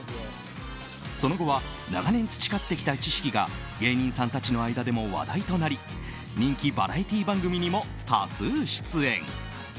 その後は長年培ってきた知識が芸人さんたちの間でも話題となり人気バラエティー番組にも多数出演。